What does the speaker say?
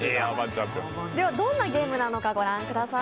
どんなゲームなのか、ご覧ください。